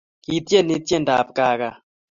Kiteini tiendab kaa kaa